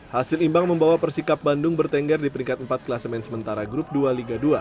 hasil imbang membawa persikap bandung bertengger di peringkat empat kelas main sementara grup dua liga dua